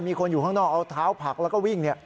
มีคนอยู่ข้างนอกเอาเท้าผักแล้วก็วิ่ง